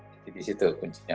jadi di situ kuncinya